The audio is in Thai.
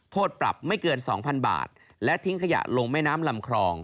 โทษปรับไม่เกิน๒๐๐๐บาทและทิ้งขยะลงแม่น้ำลำคลอง